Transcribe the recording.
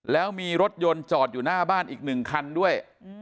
แล้วมีรถยนต์จอดอยู่หน้าบ้านอีก๑คันด้วย